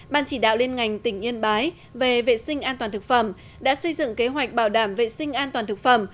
ban chỉ đạo liên ngành tỉnh yên bái về vệ sinh an toàn thực phẩm đã xây dựng kế hoạch bảo đảm vệ sinh an toàn thực phẩm